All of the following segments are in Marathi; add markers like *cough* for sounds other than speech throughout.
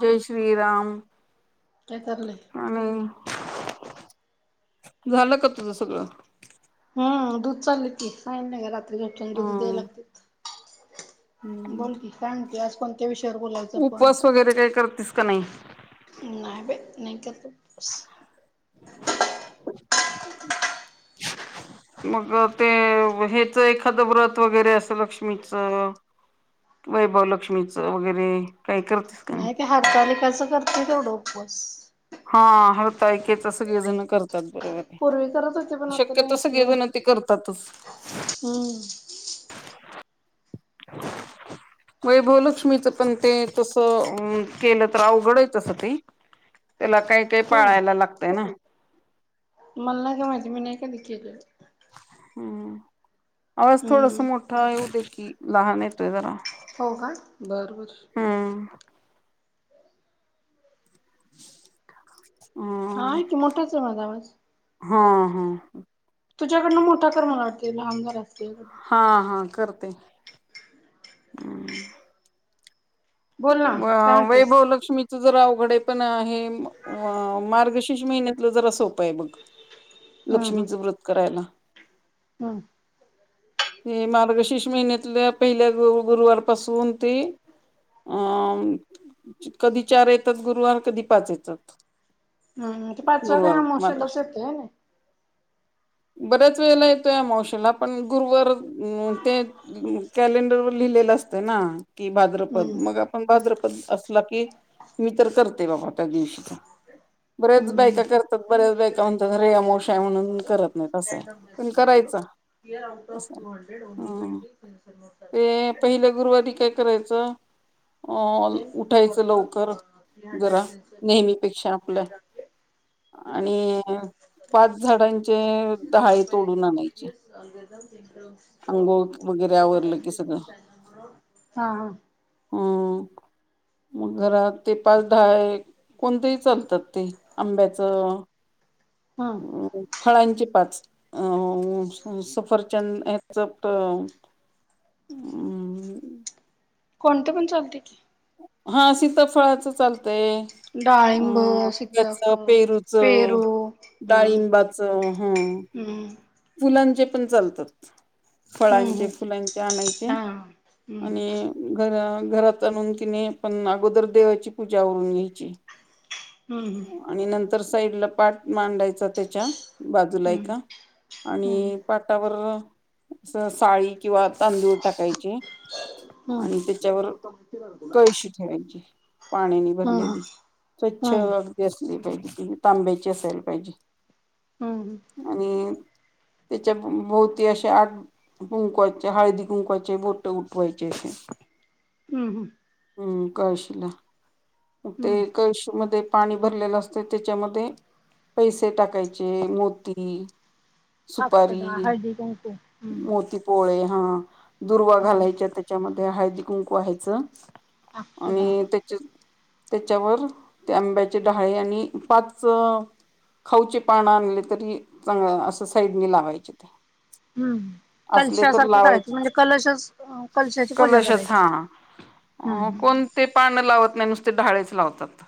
जय श्रीराम काय चाललंय आणि, झालं का तुझं सगळं हम्म दूध चाल की साईन नाही ग रात्री घटून दुध द्याय हम्म. लागते. हम्म. बोलकी सांगते आज कोणते विषय उपवास वगैरे काही करतेस का नाही? नाही बाई नाही करत उपवास. *unintelligible* मग ते हच एखादं व्रत वगैरे अस लक्ष्मीच? वैभव लक्ष्मीच वगैरे काही करतेस का नाही ते हारतालिकेचा करते तेवढा उपवास हा हरतालिकेचे सगळं करतात माहिती? पूर्वी करत होते पण आता शक्यत नाही सगळे सगळं जण ते करतातच. हम्म *inaudible* वै भूलक्ष्मीच पण ते तसं केलं तर अवघडयचसं ती त्याला काही काही होय पाळायला लागतय ना. मला नाही का माहिती मी नाही काधी केले. हम्म आवाज थोडास हम्म मोठा येऊ दे की लहान येतोय जरा हो का बरबर हम्म *unintelligible* हा आहे की मोठाच आहे माझा आवाज हा हा तुझ्याकडनं मोठा कर मला वाटते आमदारचा हा हा करते् बोल ना काय म्हणतेस वैभव लक्ष्मी जरा अवघडे पण आहे मार्गशीष महिन्यातलं जरा सोपं आहे बघ लक्ष्मीचं व्रत करायला हम् हे मार्गशीर्ष महिन्यातल्या पहिल्या गुरुवारपासून ते अं कधी चार येतात गुरुवार कधी पाच येतात हम् ते पाचवा काय गुरुवार मार्गश आमोशेलाच येतोय. बऱ्याच वेळेला येतोय आमोशेला पण गुरुवार ते कॅलेंडरवर लिहिलेलं असत ना कि भाद्रपद हम्म मग आपण भाद्रपद असला की मी तर करते बाबा त्या दिवशी तर बऱ्याच हम्म बायका करतात बऱ्याच बायका म्हणतात अरे अमावस्या म्हणून करत नाही असंय पण करायचं हिऑफ टंनट ते *unintelligible* पहिल्या करायचं अं उठायचं लवकर जरा नेहमीपेक्षा आपल्या आणि पाच झाडांचे डहाळे तोडून आणायचे आंघोळ वगैरे आवरलं की सगळं हा हां हम्म मग घरात ते पाच डहाळे कोणतेही चालतात ते आंब्याचं हा फळांची पाच अं सफरचंद हेच हम् कोणते पण चालतय की हा शीतफळाच चालतंय डाळिंब, अ त्याच सीताफळ, पेरूच पेरू डाळिंबाच हा हम् फुलांचे पण चालतात फळांचे हम्म फुलांचे आणायचे हा हम्म आणि *unintelligible* घरात आणून की नई पण अगोदर देवाची पूजा आवरून घ्यायची हम्म आणि नंतर साईडला पाट मांडायचा त्याच्या बाजूला हम्म एका हम्म हम्म आणि पाटावर अस साळी किंवा तांदूळ टाकायचे आणि त्याच्यावर कळशी ठेवायची पाण्याने हम्म भरलेली स्वच्छ हम्म असली पाहिजे तांब्याची असायला पाहिजे हम्म आणि त्याच्या भोवती अशे आठ कुंकवाचे हळदी कुंकवाचे बोट उठवाय जसे *inaudible* हम्म हम्म हम्म कळशीला हम्म ते कळशी मध्ये पाणी भरलेलं असतय त्याच्यामध्ये पैसे टाकायचे मोती अक्षदा, सुपारी हळदी कुंकू हम्म मोतीपोवळे हां ह दुर्वा हम्म घालायच्या त्याच्यामध्ये हळदी कुंकू वहायचं अक्षदा आणि त्याचे त्याच्यावर त्या आंब्याचे डाहळे आणि पाच खाऊचे पानं आणले तरी चांग असं साईडनी लावायचे ते हम्म असले तर कलशासारखं करायचं म्हणजे लावायचेच कलशच कलशाची पूजा कलशच करायची हा अ हम्म कोणते पान लावत नाही नुस ते डहाळेच लावतात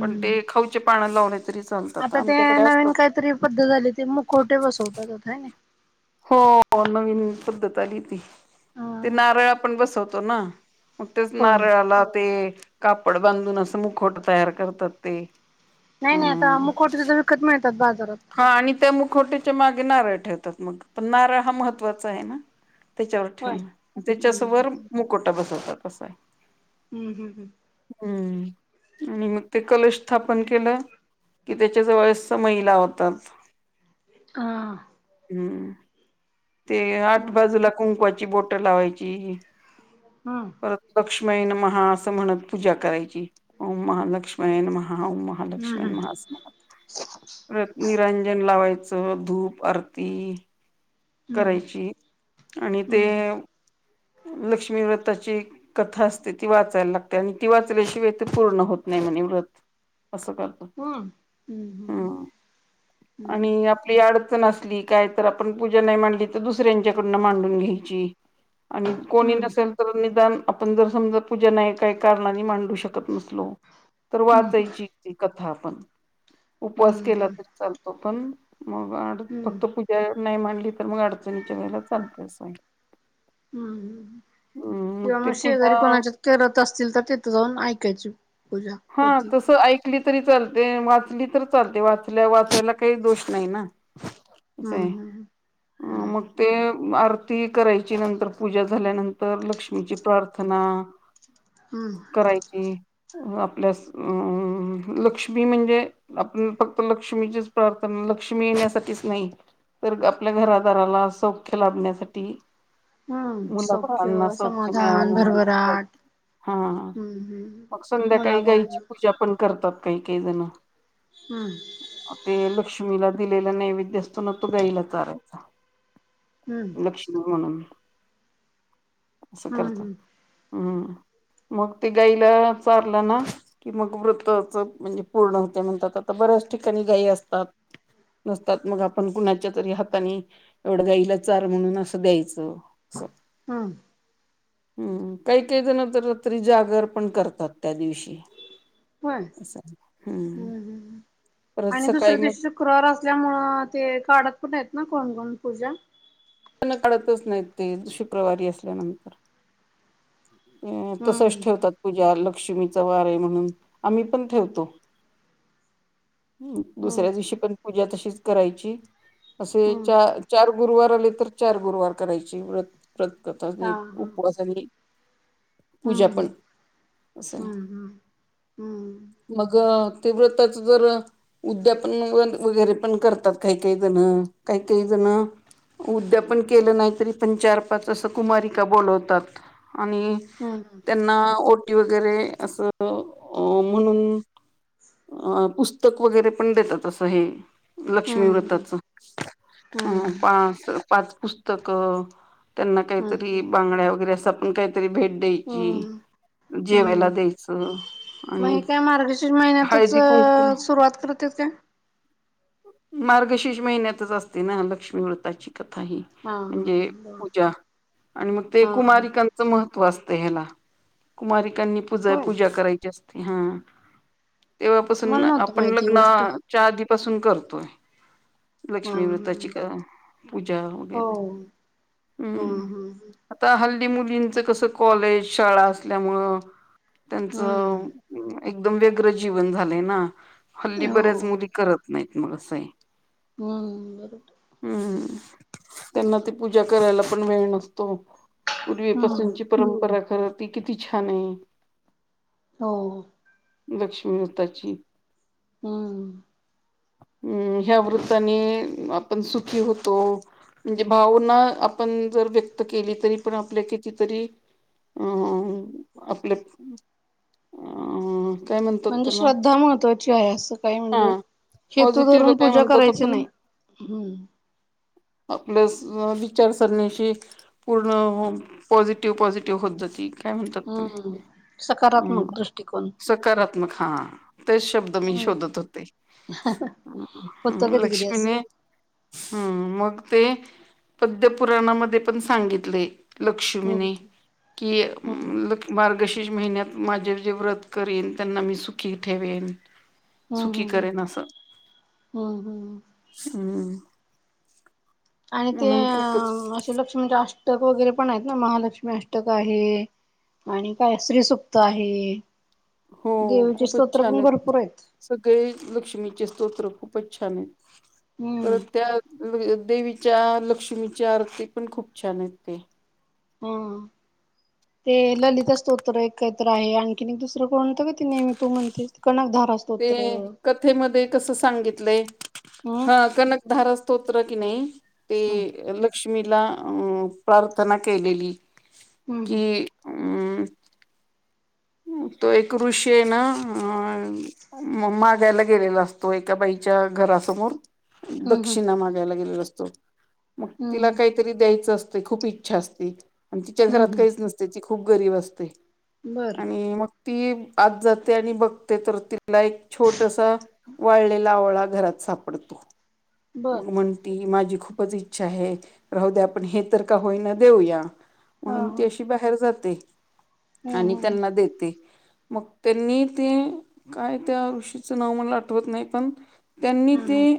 पण ते खावचे पान लावले तरी चालतात आता ते आमच्याकडे असतात नवीन काहीतरी पद्धत झाली ते मुकोटे बसवतात आता. हो नवीन पद्धत आली ती ते हा. नारळ आपण बसवतो ना मग तेच होय नारळाला ते कापड बांधून असं मुखवट तयार करतात ते. नाही नाही आता हम् मुखवटे तर विकत मिळतात बाजारात. हा आणि त्यामुखवट्याच्या मागे नारळ ठेवतात. मग पण नारळ हा महत्त्वाचा आहे ना? त्याच्यावर होय ठेवण हम्म त्याच्यासवरर मुकोटा बसवतात आहे. हम्म हम्म हम्म हम्म आणि मग ते कलश स्थापन केलं कि त्याच्या जवळ समाई लावतात. हा हम्म ते आठ मग बाजूला कुंकवाची बोट लावायची हम्म परतक्ष लक्ष्मन महा असं म्हणत पूजा करायची महालक्ष्मयन महा. ॐ महालक्ष्मण हम्म मास निरंजन लावायच. धूप आरती. हम्म करायची आणि ते. हम्म लक्ष्मी व्रताची कथा असते ती वाचायला लागते आणि ती वाचल्याशिवाय ते पूर्ण होत नाही. व्रत असं करत हम्म हम्म. हम्म हम्म हम्म हम्म. हम् आणि आपली आड. ली काय तर आपण पूजा नाही मांडली तर दुसऱ्यांच्याकडून मांडून घ्यायची. आणि कोणी नसेल तर निदान आपण जर समजा पूजा नाही काही कारणाने मांडलं. शकत नसलो तर वाचायची कथा आपण. उपवास हम्म केला हम्म. तरी चालतो पण मग फक्त पूजा. नाही मांडली तर मग अडचणीच्या वेळेला चालते असं हम्म हम्म हम्म किंवा ते मग पूजा शेजारी कोणाच्या करत असतील तर तीथे जाऊन ऐकायची पूजा हा होती. तस ऐकली. तरी चालते वाचली तर चालते वाचल्या वाचायला काही दोष नाही ना. आहे हम्म हम्म मग हम्म ते अ ती करायची नंतर पूजा झाल्यानंतर लक्ष्मीची प्रार्थना हम्म. करायची. लक्ष्मी म्हणजे आपण फक्त लक्ष्मीचीच प्रार्थना लक्ष्मी साठीच नाही तर आपल्या घरादाराला सौख्य लाभण्यासाठी. हम्म मुला बाळांना सौख्य, सौख्य मिळावा समाधान, म्हणून. भरभराट हा हम्म मग सुध्या. हम्म काही गाईची मुलाबाळांना पूजा पण करतात काही काही जेव्हा हम्म लक्ष्मीला. दिलेला नैवेद्य असतो ना तो गाईला चारायचा हम्म लक्ष्मी म्हणून. असं हम्म करत हम्म हम्म मग ते गाईला चाल. आपला ना कि मग व्रतच म्हणजे पूर्ण होते म्हणतात आता बऱ्याच ठिकाणी गाय असतात. नसतात मग आपण कुणाच्या तरी हाताने एवढं गाईला चार म्हणून असं द्यायचं. असं हम्म हम्म काही काही जण तर रात्री जागर पण करतात. त्या दिवशी होय हम्म परत आणि सकाळी दुसऱ्या मग दिवशी शुक्रवार असल्यामुंळ ते काढत पण आहेत ना कोण कोण पूजा? काढतच नाही ते शुक्रवारी असल्यानंतर. अ तसच हम्म ठेवतात पूजा ल. लक्ष्मीचा वार आहे म्हणून आम्ही पण ठेवतो. दुसऱ्या हम्म दिवशी पण पूजा तशीच करायची असे हम्म चार, चार गुरुवार आले तर. चार गुरुवार करायची व्रत व्रत करता हा हा उपवास आणि. पूजा पण हम्म असं आहे हम्म हम्म मग. ते व्रत्ताचं जर अं. उद्यापन *unintelligible* वगैरे पण करतात काही काही जणं काही काही जणं उद्याप. पन केलं नाही तरी पण चार पाच असं कुमारिका बोलवतात. आणि हम्म त्यांना ओट. टी वगैरे असं अं म्हणून. अं पुस्तक वगैरे पण देतात असं हे. हम्म लक्ष्मी हम्म व्रताचं अं पाच-पाच पुस्तकं. त्यांना हम्म काहीतरी बांगड्या वगैरे अस आपण काहीतरी भेट द्यायची. हम्म जेवायला हम्म द्यायचं. मग आणि हे काय मार्गशीर्ष महिन्यातच हळदी कुंकू सुरुवात करत्यात का? मार्गशीर्ष महिन्यातच असते ना लक्ष्मी व्रताची कथा ही हा हा म्हणजे हा बर पूजा आणि मग ते हा हा कुमारिकांचं महत् त्त्व असते ह्याला कुमारिकांनी पूजा होय पूजा करायची असते हा. तेव्हापासून मला नव्हतं आपण माहिती ही लग्ना गोष्ट च्या आधीपासून करतोय. हा लक्ष्मी व्रताची का हा पूजा वगैरे हो हा हम्म हा आता हल् ल्ली मुलींचं कसं कॉलेज शाळा असल्यामूळं त्यांच हम्म एकदम व्यग्र जीवन झालंय ना हल्ली हो बऱ्याच मुली करत नाहीत मग असं आहे. हम्म बरोबर. हम्म त्यांना ते पूजा करायला पण वेळ नसतो हम्म पूर्वीपासूनची परंपरा खरं ती किती छान आहे. हो. लक्ष्मीवताची हम्म. हम्म ह्या वृत्ताने आपण सुखी होतो. म्हणजे भावना आपण जर व्यक्त केली तरी पण आपल्या कितीतरी अम आपले अ म्हणजे श्रद्धा महत्त्वाची आहे असं काही म्हणजे हा - हेतू पॉझिटिव्हला धरून काय पूजा म्हणतात करायची आपण नाही हम्म *inaudible* आपल्या विचारसरणीशी पूर्ण पॉझिटिव्ह पॉझिटिव्ह होत जातील. काय म्हणतात त्याला हम्म अम सकारात्मक दृष्टिकोन सकारात् त्मक हा तेच शब्द मी हम्म शोधत होते. होतं हम्म कधी कधी असं लक्ष्मीने हम्म मग ते पद्यपुराणामध्ये पण सांगितले. हम्म लक्ष्मीनी कि हम्म *unintelligible* मार्गशी *unintelligible* महिन्यात माझे जे व्रत करेन त्यांना मी सुखी ठेवेन. हम्म सुखी हम्म हम्म करेन असं हम्म हम्म हम्म आणि ते म्हणून खूपच अ असे लक्ष म्हणजे अस् अष्टक वगैरे पण आहेत ना महालक्ष्मी अष्टक आहे. आणि काय श्रीसुप्त आहे. हो देवीचे खूपच स्तोत्र छान पण आहेत भरपूर सगळे लक्ष्मीचे स्तोत्र खूपच छान आहेत हम्म परत त्या देवीच्या लक्ष्मीची आरती पण खूप छान आहेत ते हा ते ललिता स्तोत्र एक कायतर आहे आणखीन एक दुसरं कोणतं गं ते नेहमी तू म्हणतेस ते ते कथेमध्ये कसं सांगितलंय हम्म हा कणकधारा स्तोत त्र की नाही हम्म ते लक्ष्मीला अं प्रार्थना केलेली. की हम्म अम तो एक ऋषी आहे ना अ मागायला गेलेला असतो एका बाईकी च्या घरासमोर हम्म हम्म दक्षिणा मागायला गेलेला असतो मग तिला हम्म हम्म काहीतरी द्यायचं असत. खूप इच्छा असते आणि तिच्या हम्म घरात हम्म काहीच नसते ती खूप गरीब असते बरं आणि मग ती आज जाते आणि बघते तर ति ला एक छोटसा वाळलेला आवळा घरात सापडतो. बरं मग म्हणती माझी खूपच इच्छा आहे राहू द्या आपण हे तर का होईना देऊया. हा म्हणून हा ती अशी बाहेर जाते हम्म आणि हम्म त्यांना देते. मग त्यांनी ते काय त्या ऋषीचं नाव मला आठवत नाही पण त्यांनी हा हा ते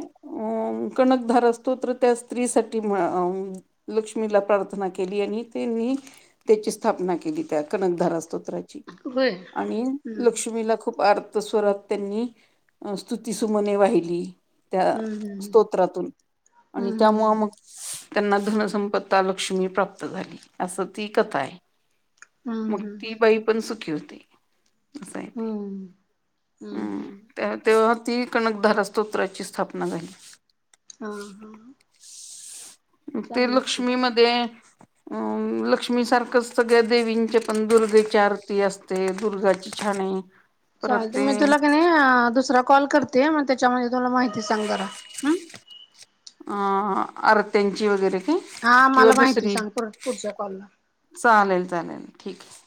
कणकधार असतो तर त्या स्त्री साठी लक्ष्मीला प्रार्थना केली आणि त्यांनी त्याची स्थाप केली त्या कनकधारा स्त्राची होय आणि हम्म लक्ष्मीला खूप आ स्वरात त्यांनी स्तुतीसुमने वाहिली त्या हम्म हम्म स्तोत्रातून आणि हम्म त्यामुळं हम्म मग त्यांना धनसंपत्ता लक्ष्मी प्राप्त झाली असं ती कथा आहे. हा. मग ती बाई पण सुखी होती. हम्म, हम्म, हम्म. त्या तेव्हा ती कणकधारा स्तोत्राची स्थापना झाली. हा. ते चांगलं की लक्ष्मी मध्ये अ लक्ष्मी सारखंच सगळ्या देवींच्या पण दुर्गेची आरती असते दुर्गाची छाणे चालते मी तुला क नाही दुसरा कॉल करते मग त्याच्यामध्ये. तुला माहिती सांग जरा हम्म अ अ आर्त्यांची वगैरे काय हा किंवा मला माहिती दुसरी सांग पुढच्या कॉलला. चालेल चालेल ठीक आहे.